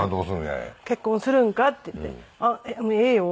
「結婚するんか？」って言って「あっええよ」